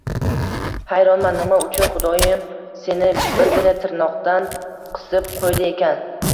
Hayronman, nima uchun Xudoyim seni birgina tirnoqdan qisib qo‘ydi ekan